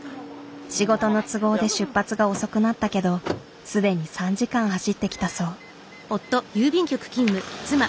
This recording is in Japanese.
仕事の都合で出発が遅くなったけど既に３時間走ってきたそう。